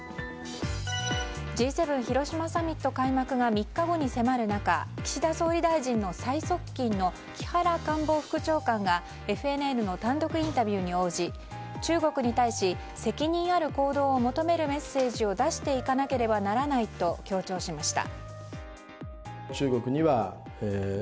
Ｇ７広島サミット開幕が３日後に迫る中岸田総理大臣の最側近の木原官房副長官がＦＮＮの単独インタビューに応じ中国に対し責任ある行動を求めるメッセージを出していかなければならないと強調しました。